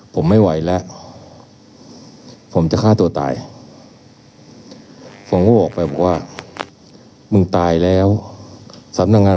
ผมไม่ไหวแล้วผมจะฆ่าตัวตายผมก็บอกไปบอกว่ามึงตายแล้วสำนักงาน